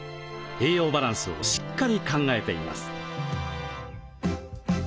栄養バランスをしっかり考えています。